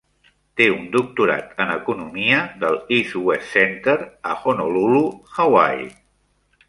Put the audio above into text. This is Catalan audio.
Té un doctorat. en economia del East-West Center a Honolulu, Hawaii.